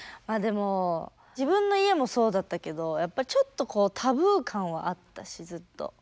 まあでも自分の家もそうだったけどやっぱりちょっとこうタブー感はあったしずっと。